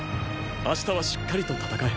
明日はしっかりと戦え。